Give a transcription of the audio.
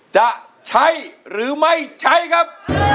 จะใช้หรือไม่ใช้ครับ